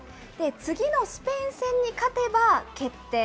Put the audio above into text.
次のスペイン戦に勝てば、決定。